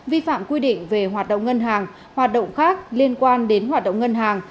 vi phạm quy định về hoạt động ngân hàng hoạt động khác liên quan đến hoạt động ngân hàng